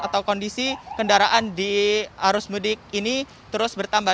atau kondisi kendaraan di arus mudik ini terus bertambah